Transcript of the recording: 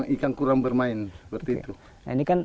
ikan kurang bermain seperti itu